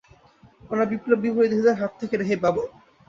আমরা বিপ্লব বিরোধীদের হাত থেকে রেহাই পাব।